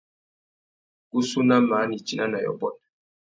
Kussú nà măh nitina nà yôbôt.